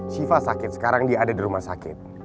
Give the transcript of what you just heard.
shiva sakit sekarang dia ada di rumah sakit